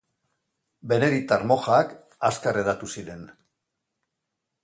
Beneditar mojak azkar hedatu ziren.